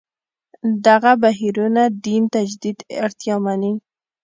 دغه بهیرونه دین تجدید اړتیا مني.